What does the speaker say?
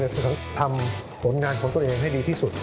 ทำผลงานของตัวเองให้ดีที่สุด